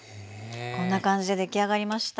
こんな感じで出来上がりました。